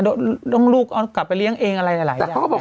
ต้องลูกเอากลับไปเลี้ยงเองอะไรหลายอย่างแต่เขาก็บอก